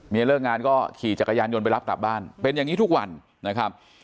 เลิกงานก็ขี่จักรยานยนต์ไปรับกลับบ้านเป็นอย่างนี้ทุกวันนะครับ